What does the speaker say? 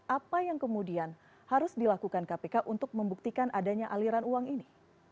apa yang kemudian harus dilakukan kpk untuk membuktikan adanya aliran uang ini